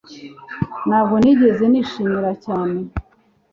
Ntabwo nigeze nishimira cyane